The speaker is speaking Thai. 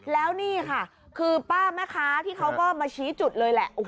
แล้วนี่ค่ะคือป้าแม่ค้าที่เขาก็มาชี้จุดเลยแหละ